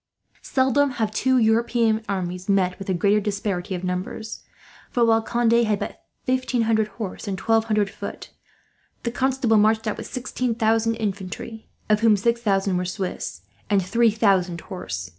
Seldom have two European armies met with a greater disparity of numbers; for while Conde had but fifteen hundred horse and twelve hundred foot, the Constable marched out with sixteen thousand infantry, of whom six thousand were Swiss, and three thousand horse.